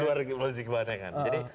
di luar politisi kebanyakan